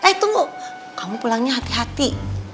eh tunggu kamu pulangnya hati hati